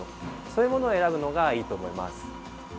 そういうものを選ぶのがいいと思います。